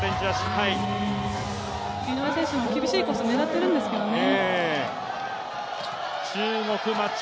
井上選手も厳しいコースを狙ってるんですけどね。